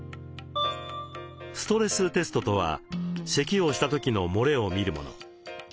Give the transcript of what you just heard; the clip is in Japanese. ストレステストとはせきをした時のもれを見るもの。